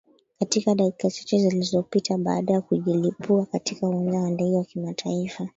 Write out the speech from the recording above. katika dakika chache zilizopita baada ya kujilipua katika uwanja wa ndege wa kimataifa